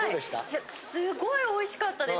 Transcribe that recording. いやすごいおいしかったです。